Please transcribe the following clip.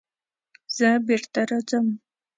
زه بېرته راځم.